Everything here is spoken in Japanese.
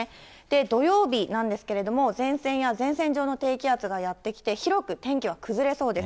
土曜日なんですけれども、前線や前線上の低気圧がやって来て、広く天気は崩れそうです。